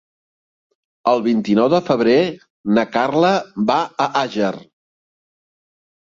El vint-i-nou de febrer na Carla va a Àger.